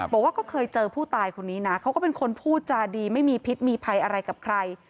บอกว่าก็เคยเจอผู้ตายคนนี้นะเขาก็เป็นคนพูดจาดีไม่มีพิษมีภัยอะไรกับใคร